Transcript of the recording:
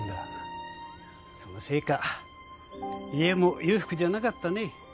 そのせいか家も裕福じゃなかったね。